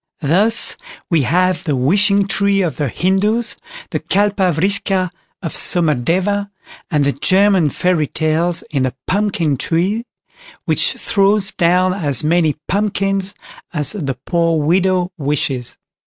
Thus we have the "Wishing Tree" of the Hindoos, the Kalpa Vriksha of Somadeva, and of the German Fairy Tales in the "Pumpkin Tree", which throws down as many pumpkins as the poor widow wishes.